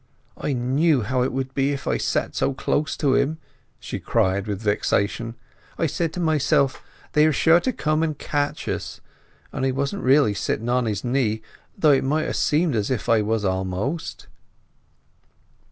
"I knew how it would be if I sat so close to him!" she cried, with vexation. "I said to myself, they are sure to come and catch us! But I wasn't really sitting on his knee, though it might ha' seemed as if I was almost!"